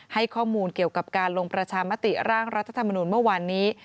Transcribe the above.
ให้ข้อมูลเกี่ยวกับการลงประชามติร่างรัฐธรรมนุนเมื่อวานนี้